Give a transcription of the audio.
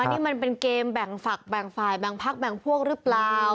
นี่มันเป็นเกมแบ่งฝักแบ่งฝ่ายแบ่งพักแบ่งพวกหรือเปล่า